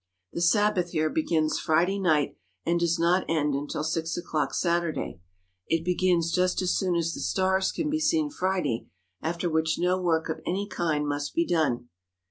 The Sabbath here begins Friday night and does not end until six o'clock Saturday. It begins just as soon 72 JEWS OF JERUSALEM as the stars can be seen Friday, after which no work of any kind must be done.